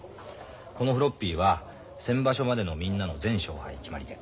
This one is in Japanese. このフロッピーは先場所までのみんなの全勝敗決まり手。